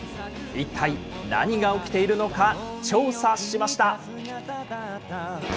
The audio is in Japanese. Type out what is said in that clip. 一体何が起きているのか、調査しました。